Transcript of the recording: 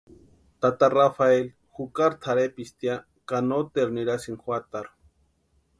Tata Rafeli jukari tʼarhepisti ya ka noteru nirasïnti juatarhu.